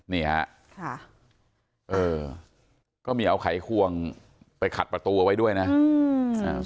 นี่ฮะค่ะเออก็มีเอาไขควงไปขัดประตูเอาไว้ด้วยนะอืมอ่า